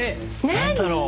何だろう？